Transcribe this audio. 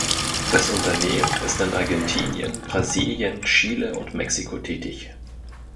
Das Unternehmen ist in Argentinien, Brasilien, Chile und Mexiko tätig.